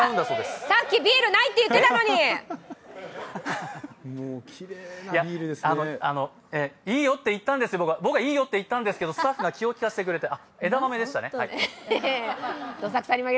さっきビールないって言ってたのにに僕はいいよって言ったんですけどスタッフが気を利かせてくれて枝豆でしたね。